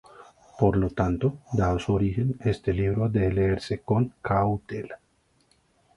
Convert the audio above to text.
Por lo tanto, dado su origen, ese libro debe leerse con "cautela".